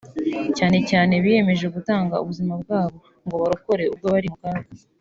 cyane cyane biyemeje gutanga ubuzima bwabo ngo barokore ubw’abari mu kaga